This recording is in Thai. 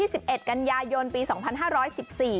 อย่างแรกเลยก็คือการทำบุญเกี่ยวกับเรื่องของพวกการเงินโชคลาภ